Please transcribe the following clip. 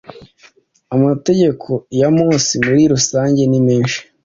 amategeko ya mose muri rusange ni menshi